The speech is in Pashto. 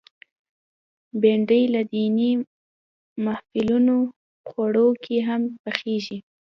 بېنډۍ له دینی محفلونو خوړو کې هم پخېږي